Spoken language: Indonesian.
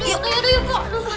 aduh yuk yuk mpok